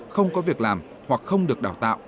không có việc làm hoặc không được đào tạo